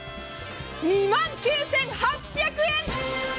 ２万９８００円！